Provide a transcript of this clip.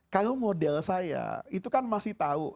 kalau model saya itu kan masih tahu